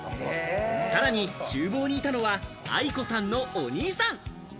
さらに厨房にいたのは愛子さんのお兄さん。